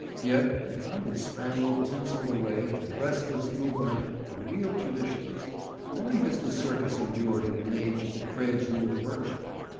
Yet behind its spangled, tinseled array and restless movement are real traditions. Why has the circus endured in an age that craves new diversion?